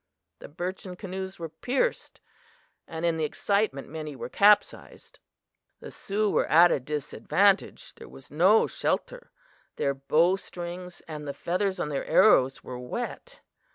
The birchen canoes were pierced, and in the excitement many were capsized. "The Sioux were at a disadvantage. There was no shelter. Their bow strings and the feathers on their arrows were wet.